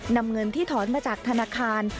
นำเงินที่ถอนมาจากธนาคาร